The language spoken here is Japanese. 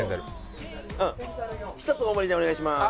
一つ大盛りでお願いします。